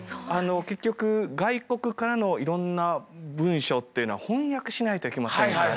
結局外国からのいろんな文書っていうのは翻訳しないといけませんから。